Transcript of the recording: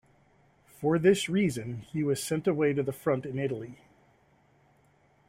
For this reason he was sent away to the front in Italy.